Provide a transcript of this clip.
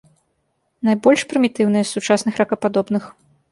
Найбольш прымітыўныя з сучасных ракападобных.